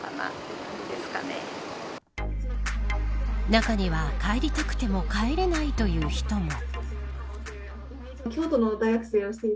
中には帰りたくても帰れないという人も。